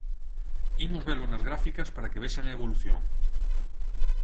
Imos velo nas gráficas para que vexan a evolución.